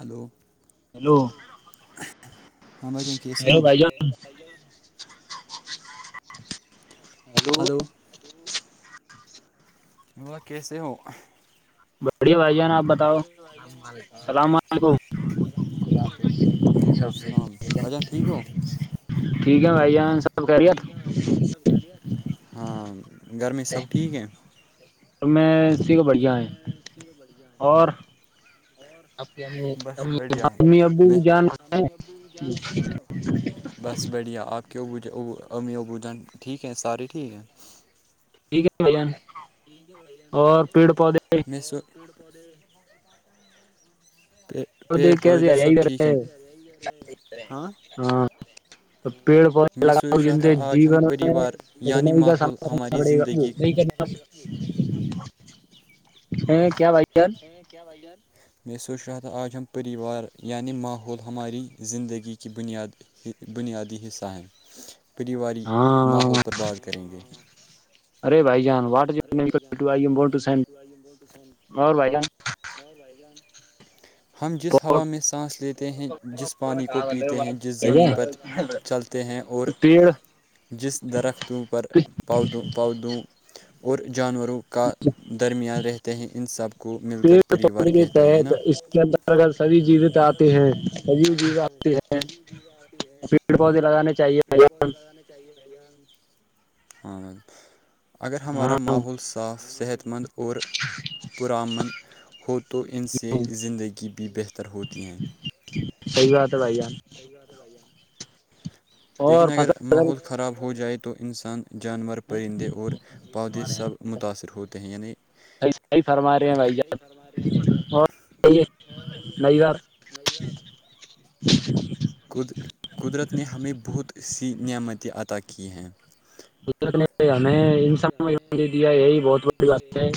hello hello ہاں بھائی جان کیسے ہو [inaudible] [inaudible] [inaudible] [inaudible] ہلو ما کیسے ہو بڑیا بھائی جان آپ بتاؤ السلام علیکم وعلیکم السلام بھایی جاں ٹھیک ہو ٹھیک ہے بھائی جان سب ٹھیک ہے بھائی جان سب خیریت ہاں گھر میں سب ٹھیک ہے میں اسی کو بڑیا ہے اور امی ابو جان ہے [inaudible] بس بڑیا آپ کی ابو جا امی ابو جھان ٹھیک ہے سارے ٹھیک ہیں ٹھیک ہے بھائی جان مو [inaudible] دیک ت کر رہے ہاں [inaudible] تو پیڑ پودے لگاؤ ج سے جیون میں کٹنائی کا سامنا کرنا پڑے گا [inaudible] ہے کیا بھائی کیا بھائی جان میں سوچ رہا تھا آج ہم پریوار یعنی ماحول ہماری زندگی کی بنیاد بنیادی حصہ ہیں پریواری ماحول پر بات کریں گے ارے بھائی جان وٹ ارے بھائی جان واٹ جو میں نکلتی آئی بت س اور بھائی جان ہم جس ہوا میں سانس لیتے ہیں جس پانی کو پیتے ہیں جس زمین پر چلتے ہیں اور جس درختوں پر پودوں پودوں اور جانوروں کا درمیان رہتے ہیں ان سب کو مل کر پریوار کہتے ہیں ہیں نا کیا ہے کہ اس کے اندر کا کبھی چیزیں آتے ہیں کبھی بیو آتے ہیں پیڑ پودے لگانے چاہیے بھائی جان ہمارا ماحول صاف صحت مند اور پرامن ہو تو ان سے زندگی بھی زندگی بہتر ہوتی ہیں صحیح بات ہے بھائی جان صحیح بات ہے لیکن اگر ماحول خراب ہو جائے تو انسان جانور پرندے اور پودے سب متاثر ہوتے ہیں یعنی حی فرم [unintelligible] صحیح فرما رہے ہیں بھائی جان نہیں رات ق قدرت نے ہمیں بہت سی نعمتیں عطا کی ہیں قدرت نے ہمیں ان سبوں دیا یہی بہت بڑی بات ہے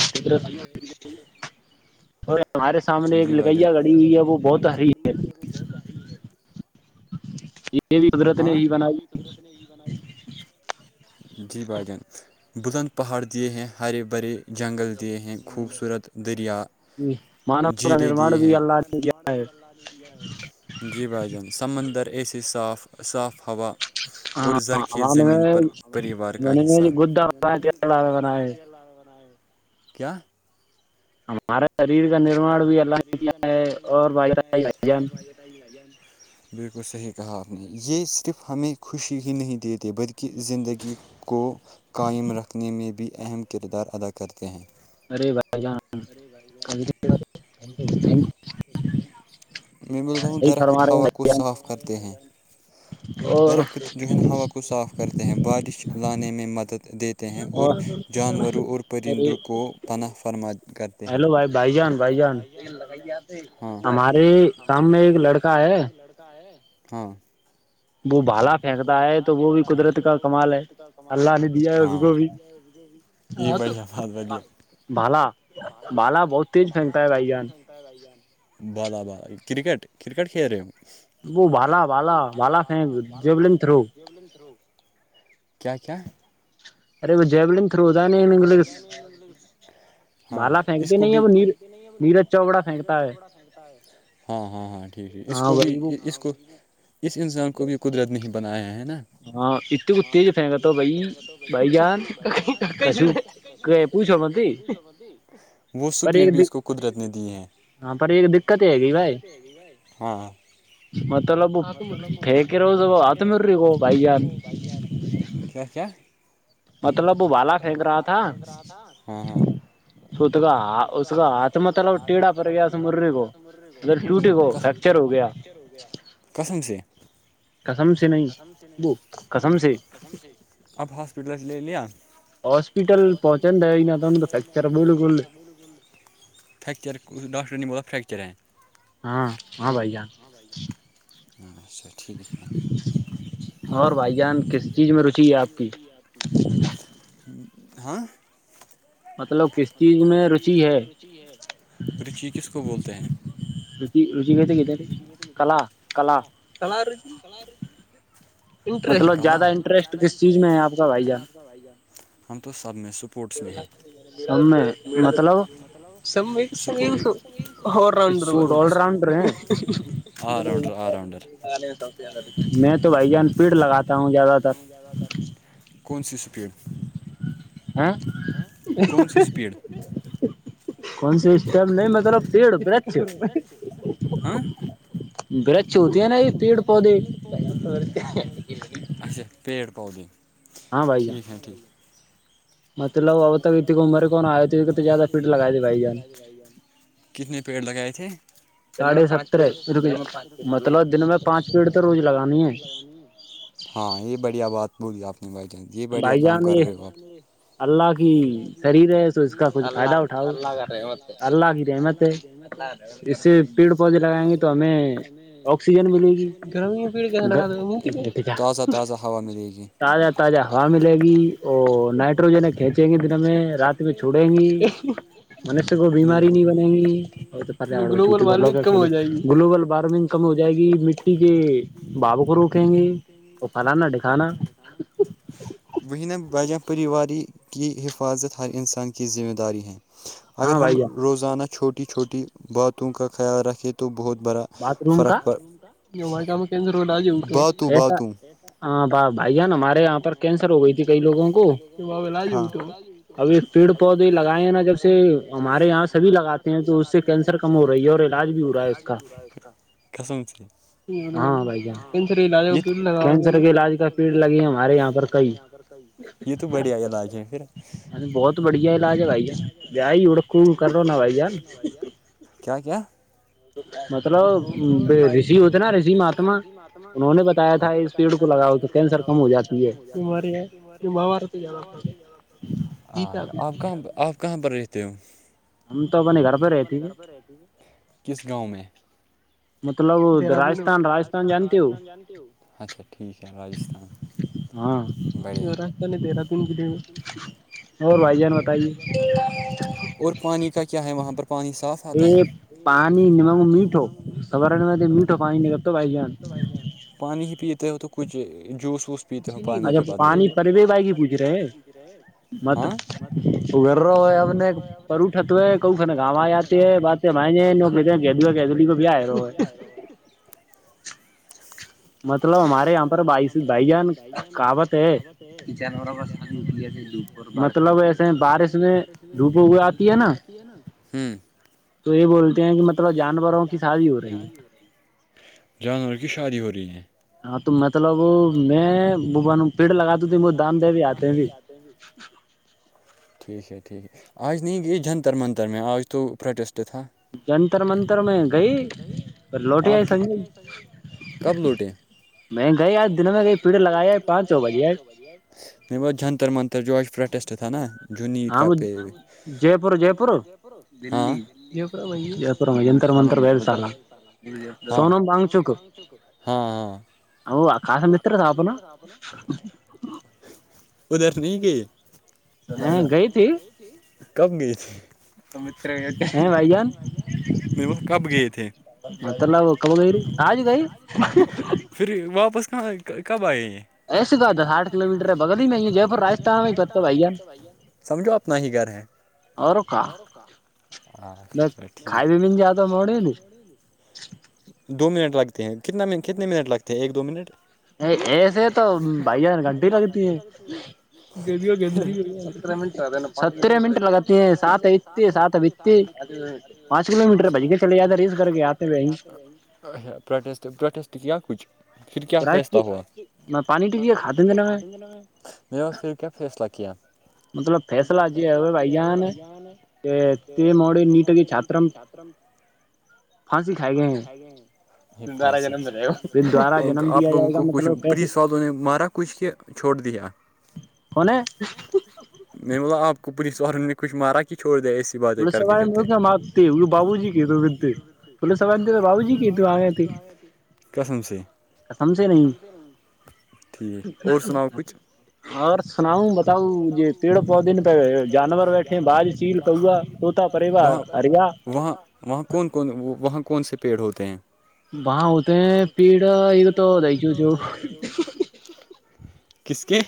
اور جی بھائی جان ہمارے سامنے ایک لکں کڑی ہوئی ہے وہ بہت ہاوی ہے ج ہاں یہ بھی قدرت نے بنای جی بھائی جان بلند پہاڑ دیے ہیں ہرے بھرے جنگل دیے ہیں خوبصورت دریا جھیلے دیے ہیں کا بھی اللہ جی بھائی جان سمندر ایسیے صاف صاف ہوا اور زرخیز زمین پر پریوار کا حصہ کیا ہمارے شریر کا نرماان بھی اللہ نے کیا ہے اور ب ا ل ج [unintelligible] بالکل صحیح کہاں آپ نے یہ صرف ہمیں خوشی ہی نہیں دیتے بلکہ زندگی کو قائم رکھنے میں بھی اہم کردار ادا کرتے ہیں ارے بھائی ارے بھائی جان میں بولتا ہوں درخت ہوا کو صاف کرتے ہیں ک [inaudible] درخت جو ہے نا ہوا کو صاف کرتے ہیں بارش لانے میں مدد دیتے ہیں اور جانوروں اور پرندوں کو پناہ فرما کر ہیلو بھائی جان بھائی جان ہمارے کام میں ایک لڑکا آیا ہے ہاں وہ بالا وہ بھالا پھینکتا ہے تو وہ بھی قدرت کا کمال ہے دیا ہے مجھے بھی جی بڑیا بہت بڑیا بھالا بھالا بہت تیز پھینکتا ہے بھائی جان کرکٹ کرکٹ کھیل رہے ہو وہ بھالا وہ با با با ف تھرو کیا کیا [inaudible] ارے وہ جیولن تھرو ہوتا ہے نا ان انگلش مل [inaudible] ہاں اس کو بھی نہیں ن چوا سنتا ہے [inaudible] ہاں ہاں ہاں ٹھیک ہےاس کو بھی اس کو اس انسان کو بھی قدرت نے ہی بنایا ہیں ہاں اتو کو تیج پھینکا تو بھیی بھائی جان وہت سپیڈ بیس کو [inaudible] قدرت نے دی ہیں ہاں پر ایک دقت ہے مطلہ ب یک رازگ آتمی اوری گو [inaudible] کیا کیا مطلب مطلب بالا پھینک رہا تھا ہاں ہاں تو تو کاا ہ ا س کاا ہات م ت ٹیڑا پر گیا تھا مرنے کو گٹی کو [unintelligible] کسم سے [inaudible] قسم سے نہیں وہ قسم سے قسم سےاب ہاسپٹل سے لے لیا ہاسپیٹل پہنچن د ہی نہ تو تو فریکچر بول گول فیکچر ڈاکٹر نے بولا فیکچر ہے ہاں ہاں بھایی جان اچھا ٹھیک ہے اور بھائی جان کس چیز میں روچی ہے آپ کی ہاں مطلب کس چیز میں روچی ہے رچی کس کو بولتے ہیں رچی کسے کہتے ہیں کلا کلا کلا رچی [unintelligible] [inaudible] انٹرسٹ لو زیادہ انٹرسٹ کس چیز میں ہے آپ کا بھائی جان بھایی جان ہم تو سب میں س سب میں مطلب سپو sports all rounder all rounder میں تو بھائی جان پیڑ لگاتا ہوں زیادہ تر کون سی اسپیڈ ہاں کون سی اسپیڈ کون سی اسٹم نہیں مطلب پیڑ ورکھش ورکھش ہوتی ہے نا یہ پیڑ پودے پودے اچھا پیڑ پودے ٹھیک ہے ٹھیک مطلب اب تک اتنی عمر کون آئے ہو تھ کتنی زیادہ پیٹ لگائی تے بھائی جان کتنے پیڑ لگائے تھے ساڑھے ستر مطلب دن میں پانچ پیڑ تو روز لگانی ہے ہاں یہ بھیا بات بولی آپ بھایی جان بھائی جان یہ اللہ شریر ہے تو اس کا کچھ فائدہ اٹھاؤ اللہ اللہ کی رحمت ہے اس سے پیڑ پودے لگائیں گے تو ہمیں آکسیجن ملے گی گرمی میں پیڑ کیسے لگاتے ہو ا تاجہ تاجہ ہوا ملے گی اور نائٹروجن کھیتی چیں گے دنوں میں رات میں چھوڑیں گی منوش کو بیماری نہیں بنے گی اور گلوبل وارمنگ کم ہو جائے گی گلوبل وارمنگ کم ہو جائے گی مٹی کے بھاو کو روکیں گے تو پلانا دکھانا [inaudible] وہی نا بھایی جان پریواری کی حفاظت ہر انسان کی ذمہ داری ہے اگر ہم روزانہ چھوٹی چھوٹی باتوں کا خیال رکھیں تو بہت بڑا فرق پر باتوں باتوں ہاں بھائی جان ہمارے یہاں پر کینسر ہو گئی تھی کئی لوگوں کو ٹ ابھی پیڑ پودے لگائے ہیں نا جب سے ہمارے یہاں سبھی لگاتے سبھی لگاتے ہیں تو اس سے کینسر کم ہو رہی ہے اور علاج بھی ہو رہا ہے اس کا قسم سے ہاں بھائی جان یہ توکینسر کے علاج کا پیڑ لگے ہمارے یہاں پر کئی یہ تو بڑیا علاج ہیں پھر بہت بڑھیا علاج ہے بھائی جار بیا ہی ا رکھو کر رہوا بھائی جار [inaudible] کیا کیا مطلب رشی ہوتے نا رشی مہاتما انہوں نے بتایا تھا اس پیڑ کو لگاؤ تو کینسر کم ہو جاتی ہےماریار تو زیادہ آپ کہاں آپ کہاں پر رہتے ہو ہم تو اپنے گھر پہ رہتی رہتی ہے کس گاؤں میں مطلب مطلب راجستھان راجستان جانتے ہو اچھا ٹھیک ہے راجستھان ہاں راست نہیں تیرہ تین کلے میں اور بھائی جان بتائیے اور پانی کا کیا ہے وہاں پر پانی صاف یہ پانی نہیں میٹ ہو خبر نہیں میٹ ہو پانی نہیں کرتا بھایی جان پانی ہی پیتے ہو تو کچھ جوس ووس پیتے ہو پانی کے بدلے ایرل [inaudible] مت ا گھرر ہو ہم نے پروٹھت ہے ک کا گام آیاتی ہے بات [unintelligible] بات ہے بھ نے گ کہ تو کیا ہےئے گ [inaudible] مطلب ہمارے یہاں پر بائی بھائی جان کہاوت ہے مطلب ایسے بارش میں دھوپ ہوئے آتی ہے نا تو یہ بولتے ہیں کہ مطلب جانوروں کی شادی ہو رہی ہے جانوروں کی شادی ہو رہی ہے ہاں تو مطلب میں پیڑ لگات تھی وہ دام دیوی بھی آتے ہیں بھی ٹھیک ہے ٹھیک ہے آج نہیں گئی جنتر منتر میں آج تو پروٹیسٹ تھا جنتر منتر میں گئی آپ کی لوٹی ہے کب لوٹے ہیں میں گئی آج دنوں میں گئی پیڑ لگایا ہے پانچ چو بجے آ نہیں وہ جنتر منتر جوآ ج پروٹیسٹ تھا نا جو نیٹ کا پہ جیپور جیپور ہاں دلی ج م ہاں س ب چک ہاں ہاں [unintelligible] ا آ کاش متر تھا اپنا ادھر نہی گئی ہاں گئی تھے کب گئے تھے ہیں بھایی جان نہیں وہ کب گیے تھے مطلب کب گئیری آج گئی پھر واپس کہاں کب آئیے یہ ایس کہ دساٹھ کلو میٹر ہے بگل ہی میں جےپور راجستھان میں پم بھیا سمجھو اپنا ہی گھر ہے اور کا ہاںرے ٹھیک [unintelligible] دو منٹ لگتے ہیں کتنا کتنے منٹ لگتے ہیں ایک دو منٹ سے تو بھائیار گھنٹیے ہی لگتیترہ [inaudible] سترہ میٹر لگ سات اتتی سات بتتی پانچ کلو میٹر بج کے چلیےیاد ری اچھا پروٹسٹ پروٹسٹ کیا کچھ پھر کیا فیصلہ ہوا کھا گے میرا پھر کیا فیصلہ کیا مطلب فیصلہ ج یہ ہے بھائی جان پ مڑے نٹگ چھاترم [inaudible] پانسی کھائی گ ہیں پانسی [inaudible] آپ لوگوں کو کچھ پلیسوالو تو نے مارا کچھ کے چھوڑ دیا میں نے بولا آپ کو پولیس واروں نے کچھ مارا کہ چھوڑ دیا اسے پولیس سوار میں م آپتے بابو جی کےے پھلیس سواریے بابو جی کے ت آ گئے تھے [unintelligible] قسم سے قسم سے نہیں اور سناؤ بتاؤ یہ پیڑ پودے پہ جانور بیٹھے باج چیل کوا وہاں وہاں وہاں کون کون وہاں کون سے پیڑ ہوتے ہیں وہاں ہوتے ہیں پیڑ پیڑا تو دائی گ ج [inaudible] کس کے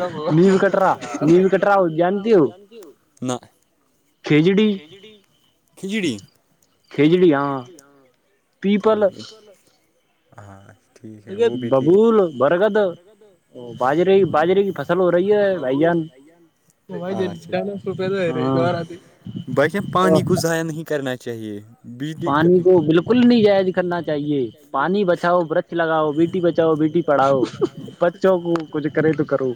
نیز کٹرا نیز کٹرا ہو جان کی کھیجڑی کھجڑی کھیجڑی ہاں ٹھیک ہے ہاں ٹھیک ہے وہ بھی ٹھیک ہے ببول برگد باجرے باجرے میں فصل ہو رہی ہے بھائی جان اچھا ٹھی بھایی جان پانی کو ضائع نہیں کرنا چاہیے پانی کو بلکل نہیں جائز کرنا چاہیے پانی بچاؤ برچ لگاؤ بیٹی بچاؤ بیٹی پڑھاؤ بچوں کو کچھ کرے تو کرو